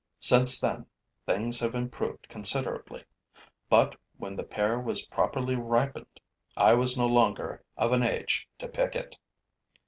Since then, things have improved considerably; but, when the pear was properly ripened, I was no longer of an age to pick it.